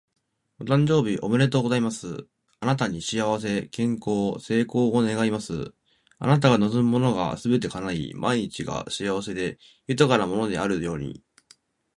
お誕生日おめでとうございます！あなたに幸せ、健康、成功を願います。あなたが望むものがすべて叶い、毎日が幸せで豊かなものであるように。